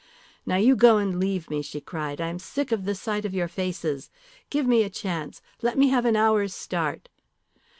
"Now you go and leave me," she cried. "I am sick of the sight of your faces. Give me a chance. Let me have an hour's start."